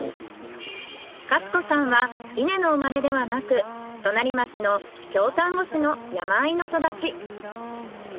勝子さんは伊根の生まれではなく隣町の京丹後市の山あいの育ち。